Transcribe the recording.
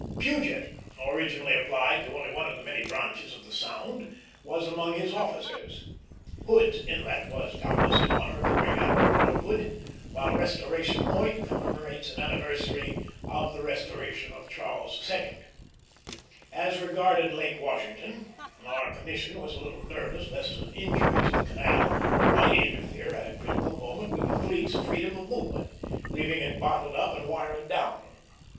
Puget, originally applied to one only of the many branches of the sound, was among his officers. Hood's Inlet was, doubtless, in honor of the great admiral, Lord Hood; while Restoration Point commemorates an anniversary of the restoration of Charles II. As regarded Lake Washington, our commission was a little nervous lest an injury to the canal might interfere at a critical moment with the fleet's freedom of movement, leaving it bottled up, and wired down.